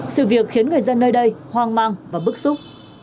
sự việc khiến người dân nơi đây hoang mang và bức xúc